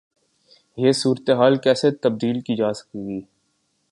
یہ صورتحال کیسے تبدیل کی جا سکے گی؟